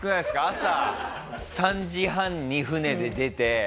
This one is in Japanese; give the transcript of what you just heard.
朝３時半に船で出て。